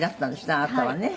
あなたはね」